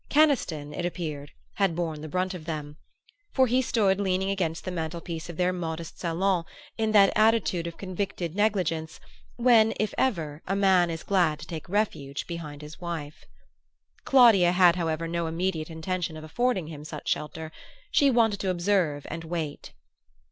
Keniston, it appeared, had borne the brunt of them; for he stood leaning against the mantelpiece of their modest salon in that attitude of convicted negligence when, if ever, a man is glad to take refuge behind his wife. Claudia had however no immediate intention of affording him such shelter. She wanted to observe and wait.